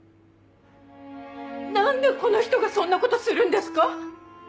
何でこの人がそんなことするんですか？